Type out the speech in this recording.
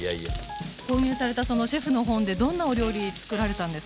購入されたそのシェフの本でどんなお料理つくられたんですか？